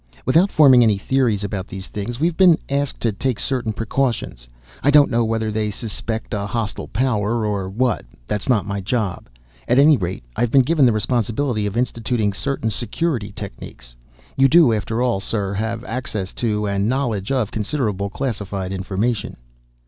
"Without forming any theories about these things we've been asked to take certain precautions. I don't know whether they suspect a hostile power, or what. That's not my job. At any rate I've been given the responsibility of instituting certain security techniques. You do after all, sir, have access to and knowledge of considerable classified information."